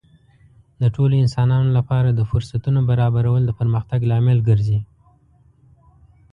د ټولو انسانانو لپاره د فرصتونو برابرول د پرمختګ لامل ګرځي.